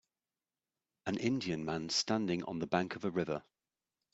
An Indian man standing on the bank of a river.